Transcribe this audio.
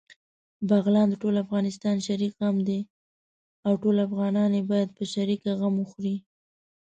بغلان دټول افغانستان شريک غم دی، او ټول افغانان يې باېد په شريکه غم وخوري